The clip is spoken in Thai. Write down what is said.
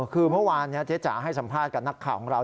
คือเมื่อวานเจ๊จ๋าให้สัมภาษณ์กับนักข่าวของเรา